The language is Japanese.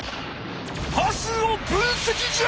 パスを分せきじゃ！